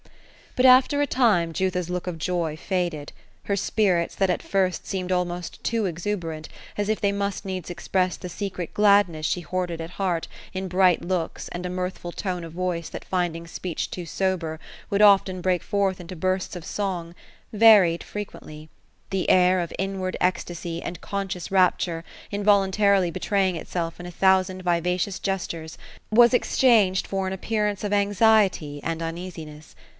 Bat after a time, Jutha's look of joy faded ; her spirits, that at first seemed almost too exuberant, — as if they must needs express the secret gladness she hoarded at heart, in bright looks, and a mirthful tone of voice that finding speech too sober, would often break forth into bursts of songj — varied frequently ; the air of inward ecstacy, and conscious rap ture involuntarily betraying itself in a thousand vivacious gestures, was exohangcd for an appearance of anxiety and uneasiness.